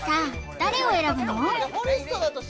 誰を選ぶの？